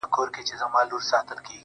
ماته خوښي راكوي.